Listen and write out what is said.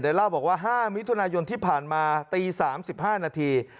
เล่าบอกว่า๕มิถุนายนที่ผ่านมาตี๓๕นาที